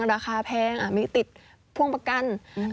ราคาแพงมีติดพ่วงประกัน